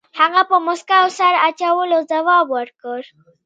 هغه په موسکا او سر اچولو ځواب ورکړ.